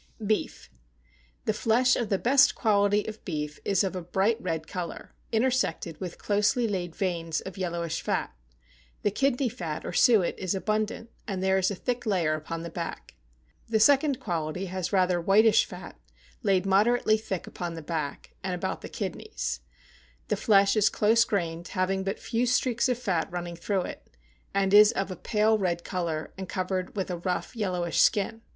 =Beef.= The flesh of the best quality of beef is of a bright red color, intersected with closely laid veins of yellowish fat; the kidney fat, or suet, is abundant, and there is a thick layer upon the back. The second quality has rather whitish fat, laid moderately thick upon the back, and about the kidneys; the flesh is close grained, having but few streaks of fat running through it, and is of a pale red color, and covered with a rough, yellowish skin.